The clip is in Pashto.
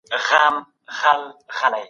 سپورت کول روغتیا ته ډېره ګټه لري.